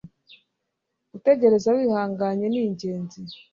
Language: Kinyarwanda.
gutegereza wihanganye ningenzi